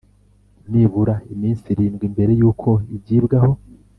nibura iminsi irindwi mbere y uko igibwaho